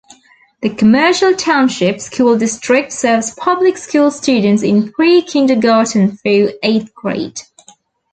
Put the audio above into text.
The Commercial Township School District serves public school students in pre-kindergarten through eighth grade.